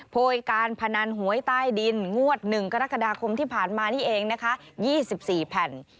โพยการพนันหวยใต้ดินงวด๑กรกฎาคมที่ผ่านมานี่เองนะคะ๒๔แผ่น